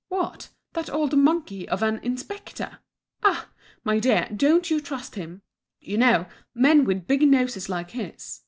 "What, that old monkey of an inspector! Ah! my dear, don't you trust him. You know, men with big noses like his!